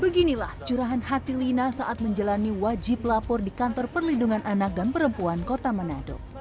beginilah curahan hati lina saat menjalani wajib lapor di kantor perlindungan anak dan perempuan kota manado